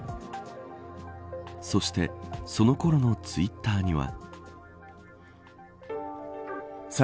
そしてそのころのツイッターには。